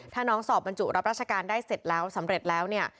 ถ้าน้องสอบบรรจุรับราชการได้เสร็จแล้วสำเร็จแล้วเนี่ย